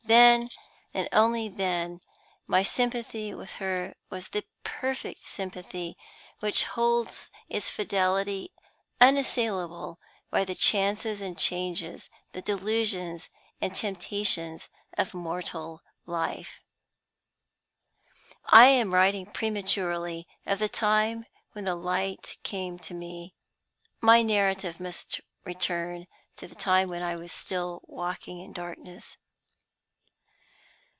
Then, and then only, my sympathy with her was the perfect sympathy which holds its fidelity unassailable by the chances and changes, the delusions and temptations, of mortal life. I am writing prematurely of the time when the light came to me. My narrative must return to the time when I was still walking in darkness.